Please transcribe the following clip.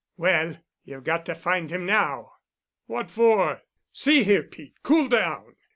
"Well, you've got to find him—now." "What for? See here, Pete, cool down.